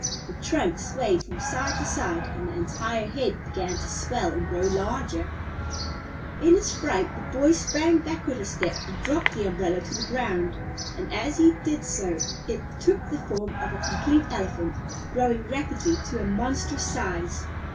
The trunk swayed from side to side and the entire head began to swell and grow larger. In his fright the boy sprang backward a step and dropped the umbrella to the ground, and as he did so it took the form of a complete elephant, growing rapidly to a monstrous size.